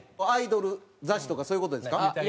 アイドル雑誌とかそういう事ですか？